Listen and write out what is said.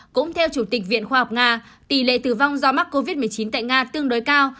cũng theo chủ tịch viện khoa học nga tỷ lệ tử vong do mắc covid một mươi chín tại nga tương đối cao